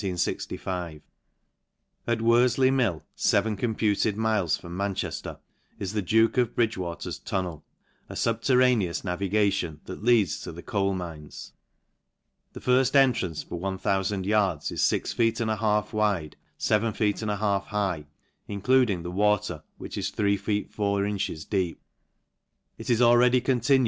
At JVoTjley MiU, texen computed miles from Man* tbcjler, is the duke of Bridgewater's tunnel, a fub terraneous navigation that leads to the coal mines ; the firft entrance for icoo yards is fix feet and a Jialf wide, feven feet and a half high, including the "Water, which is three feet four inches deep ; it is already *8o L A N'C A SHIR E.